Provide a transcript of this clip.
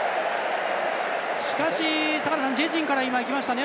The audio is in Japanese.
しかし、自陣からいきましたね